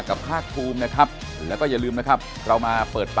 นอกจากมีภรรยาอยู่แล้วอ่าไป